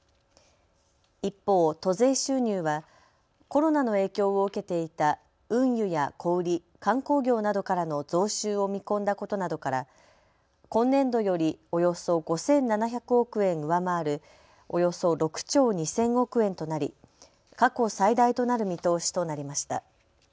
一方、都税収入はコロナの影響を受けていた運輸や小売り、観光業などからの増収を見込んだことなどから今年度よりおよそ５７００億円上回る、およそ６兆２０００億円となり過去最大となる見通しとなりました。